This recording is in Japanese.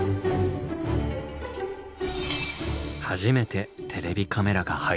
初めてテレビカメラが入ります。